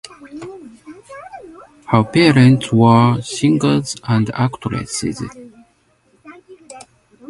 Her parents were singers and actresses.